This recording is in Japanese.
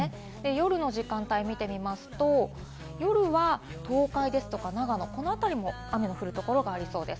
夜の時間帯を見てみますと、夜は東海ですとか長野、この辺りも雨の降るところがありそうです。